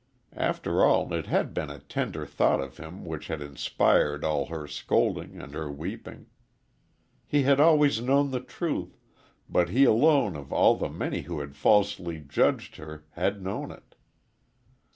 After all, it had been a tender thought of him which had inspired all her scolding and her weeping. He had always known the truth, but he alone of all the many who had falsely judged her had known it.